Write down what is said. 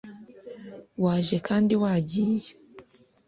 waje kandi wagiye